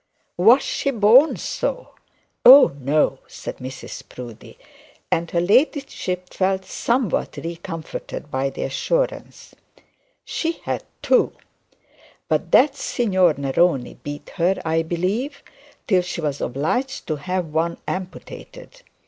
'Was she born so?' 'Oh, no,' said Mrs Proudie, and her ladyship felt somewhat recomforted by the assurance, 'she had two. But that Signor Neroni beat her, I believe, till she was obliged to have one amputated.